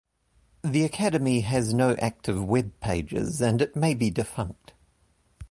The Academy has no active web pages, and it may be defunct.